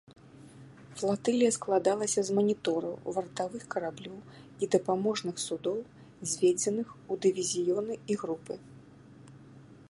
Флатылія складалася з манітораў, вартавых караблёў і дапаможных судоў, зведзеных у дывізіёны і групы.